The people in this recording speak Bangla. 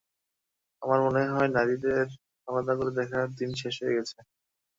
আমার মনে হয়, নারীদের আলাদা করে দেখার দিন শেষ হয়ে গেছে।